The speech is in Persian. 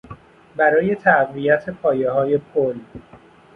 برای تقویت پایههای پل